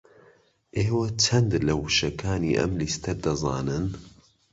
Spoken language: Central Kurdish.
ئێوە چەند لە وشەکانی ئەم لیستە دەزانن؟